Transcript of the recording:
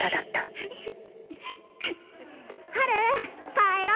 帰ろ！